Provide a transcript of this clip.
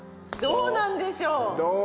どうなんでしょう？